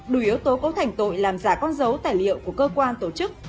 đủ yếu tố cấu thành tội làm giả con dấu tài liệu của cơ quan tổ chức